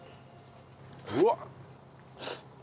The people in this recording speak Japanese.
うわっ！